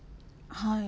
はい。